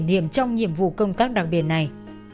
những kỷ niệm trong nhiệm vụ công tác đặc biệt này